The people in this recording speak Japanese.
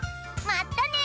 まったね！